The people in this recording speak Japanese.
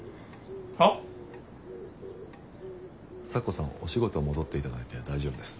咲子さんお仕事戻って頂いて大丈夫です。